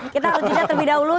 kita harus jeda terlebih dahulu